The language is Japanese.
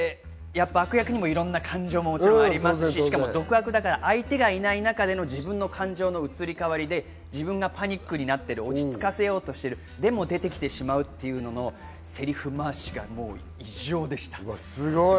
いろんな感情もありますし、相手がいない中での自分の感情の移り変わりでパニックになっている、落ち着かせようとしている、でも出てきてしまうというセリフまわしが異常でした。